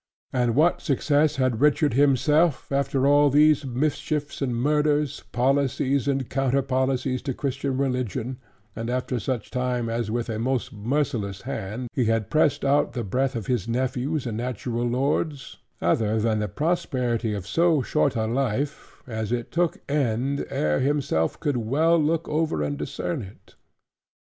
And what success had Richard himself after all these mischiefs and murders, policies, and counter policies to Christian religion: and after such time as with a most merciless hand he had pressed out the breath of his nephews and natural lords; other than the prosperity of so short a life, as it took end, ere himself could well look over and discern it?